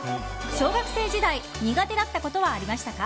小学生時代苦手だったことはありましたか？